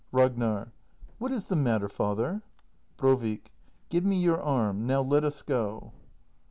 Ragnar. What is the matter, father? Brovik. Give me your arm. Now let us go.